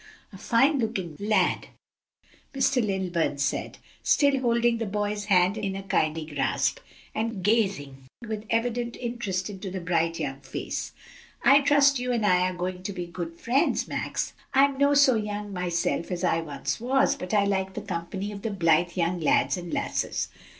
A fine looking lad," Mr. Lilburn said, still holding the boy's hand in a kindly grasp, and gazing with evident interest into the bright young face. "I trust you and I are going to be good friends, Max. I'm no so young myself as I once was, but I like the company of the blithe young lads and lasses."